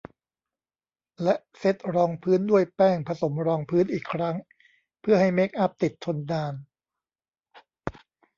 และเซตรองพื้นด้วยแป้งผสมรองพื้นอีกครั้งเพื่อให้เมคอัพติดทนนาน